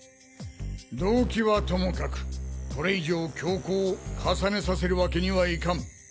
動機はともかくこれ以上凶行を重ねさせるわけにはいかん！